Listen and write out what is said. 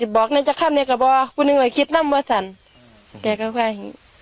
บอกนั้นจะข้ามเนี่ยกับบอกพูดหนึ่งว่าคิดนั่มว่าสั่นแกก็ว่าอย่างงี้